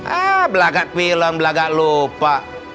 ah belagak film belagak lupa